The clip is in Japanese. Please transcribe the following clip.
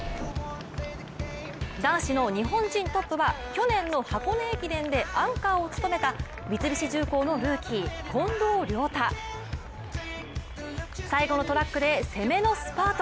男子の日本人トップは、去年の箱根駅伝でアンカーを務めた三菱重工のルーキー・近藤亮太。最後のトラックで攻めのスパート。